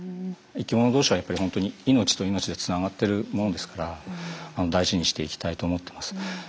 生きもの同士はやっぱり本当に命と命でつながってるものですから大事にしていきたいと思っています。